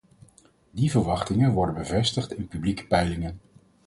Die verwachtingen worden bevestigd in publieke peilingen.